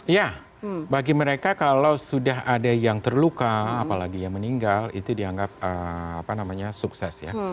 ya bagi mereka kalau sudah ada yang terluka apalagi yang meninggal itu dianggap sukses ya